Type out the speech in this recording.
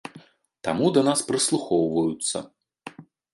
Таму да нас прыслухоўваюцца.